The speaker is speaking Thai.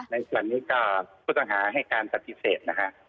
ในส่วนนี้ก็ผู้ต้องหาให้การปฏิเสธนะฮะ